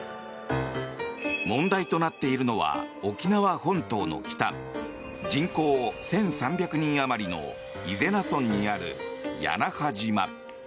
問題となっているのは沖縄本島の北人口１３００人あまりの伊是名村にある屋那覇島。